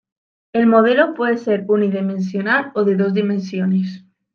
El modelo puede ser unidimensional o de dos dimensiones.